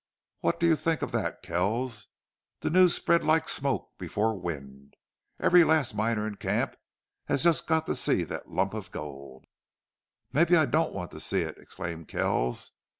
What do you think of that, Kells? The news spread like smoke before wind. Every last miner in camp has jest got to see thet lump of gold." "Maybe I don't want to see it!" exclaimed Kells.